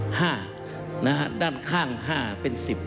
โอเคนะด้านข้าง๕เป็น๑๐